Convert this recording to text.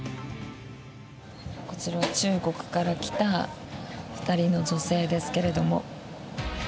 こちら、中国から来た２人の女性ですけれども。